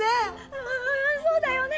⁉うんうんうんうんそうだよね。